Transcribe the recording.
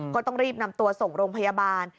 ก็ต้องรีบนำตัวส่งโรงพยาบาล